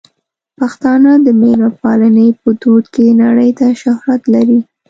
پښتانه د مېلمه پالنې په دود کې نړۍ ته شهرت لري.